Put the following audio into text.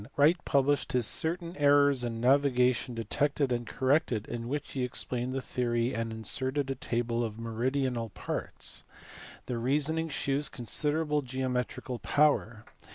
In 1599 Wright published his Certain errors in navigation detected and corrected, in which he explained the theory and inserted a table of meridional parts. The reasoning shews con siderable geometrical power.